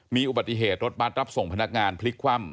มีอุบัติเหตุรถบัตรรับส่งพนักงานพลิกคว่ำ